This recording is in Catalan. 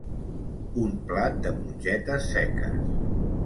Un plat de mongetes seques.